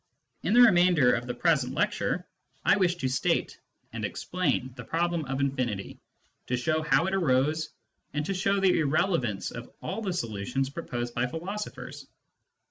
In the remainder of the present lecture, I wish to state and explain the problem of infinity, to show how it arose, and to show the irrelevance of all the solutions proposed by philosophers.